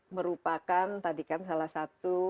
merupakan tadi kan salah satu